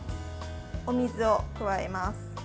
お水を加えます。